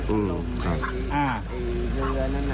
อื้อครับ